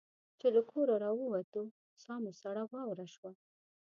چې له کوره را ووتو ساه مو سړه واوره شوه.